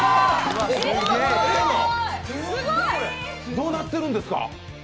どうなってるんですか？